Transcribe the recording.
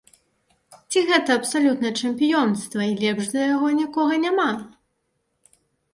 Ці гэта абсалютнае чэмпіёнства і лепш за яго нікога няма?